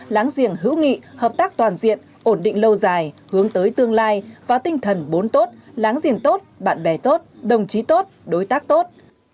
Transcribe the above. láng giềng hữu nghị hợp tác toàn diện ổn định lâu dài hướng tới tương lai và tinh thần bốn tốt láng giềng tốt bạn bè tốt đồng chí tốt đối tác tốt